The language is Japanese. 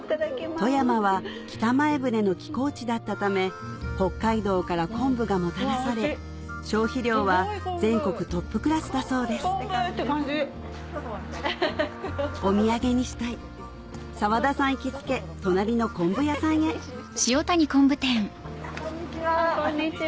富山は北前船の寄港地だったため北海道から昆布がもたらされ消費量は全国トップクラスだそうですお土産にしたい沢田さん行きつけ隣の昆布屋さんへこんにちは。